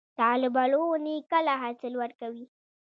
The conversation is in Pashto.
د الوبالو ونې کله حاصل ورکوي؟